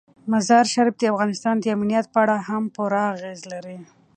مزارشریف د افغانستان د امنیت په اړه هم پوره اغېز لري.